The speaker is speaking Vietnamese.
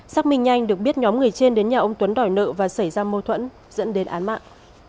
xác minh nhanh được biết nhóm người trên đến nhà ông tuấn đòi nợ và xảy ra mâu thuẫn dẫn đến án mạng